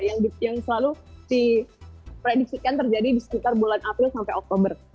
yang selalu diprediksikan terjadi di sekitar bulan april sampai oktober